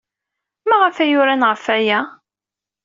Maɣef ay uran ɣef waya?